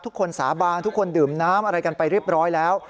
ทุกคนสาบานทุกคนดื่มน้ำอะไรกันไปเรียบร้อยแล้ว